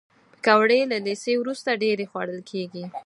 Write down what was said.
پکورې له لیسې وروسته ډېرې خوړل کېږي